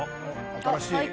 新しい。